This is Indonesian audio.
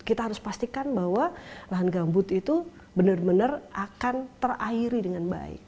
kita harus pastikan bahwa lahan gambut itu benar benar akan terairi dengan baik